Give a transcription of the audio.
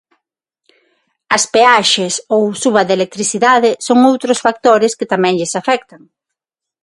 As peaxes ou suba da electricidade son outros factores que tamén lles afectan.